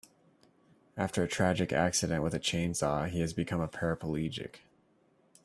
After a tragic accident with a chainsaw he has become a paraplegic.